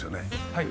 はい。